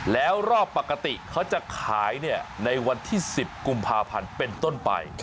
แล้วรอบปกติเขาจะขายในวันที่๑๐กุมภาพันธ์เป็นต้นไป